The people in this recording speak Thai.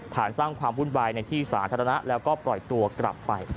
สร้างความวุ่นวายในที่สาธารณะแล้วก็ปล่อยตัวกลับไป